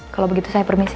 kalau begitu saya permisi